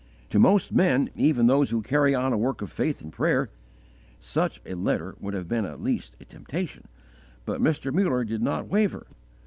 To most men, even those who carry on a work of faith and prayer, such a letter would have been at least a temptation. But Mr. Muller did not waver.